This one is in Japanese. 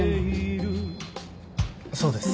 そうです。